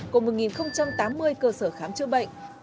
cùng một tám mươi cơ sở khám chữa bệnh